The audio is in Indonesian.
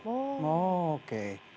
dan perlu diinginkan